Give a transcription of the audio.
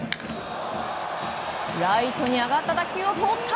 ライトに上がった打球をとった！